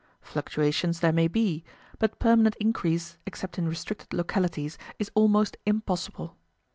Fluctuations there may be; but permanent increase, except in restricted localities, is almost impossible.